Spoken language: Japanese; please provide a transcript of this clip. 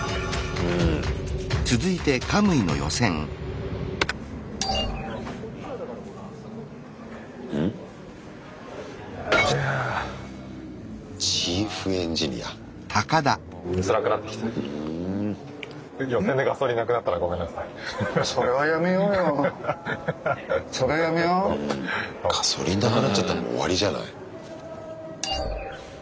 うんガソリンなくなっちゃったらもう終わりじゃない。